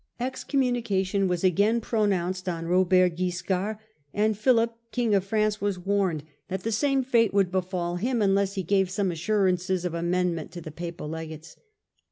Excommunication was again pronounced on Robert Wiscard, and Philip, king of Prance, was warned that the same fate would befall him unless he gave some assurances of amendment to the papal legates.